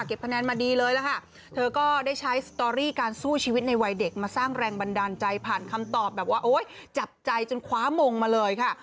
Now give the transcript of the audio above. คะแนนมาดีเลยล่ะค่ะเธอก็ได้ใช้สตอรี่การสู้ชีวิตในวัยเด็กมาสร้างแรงบันดาลใจผ่านคำตอบแบบว่าโอ๊ยจับใจจนคว้ามงมาเลยค่ะ